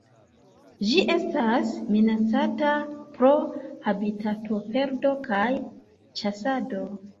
Ĝi estas minacata pro habitatoperdo kaj ĉasado.